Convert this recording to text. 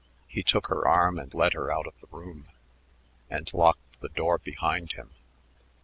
He took her arm and led her out of the room and locked the door behind him.